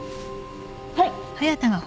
はい。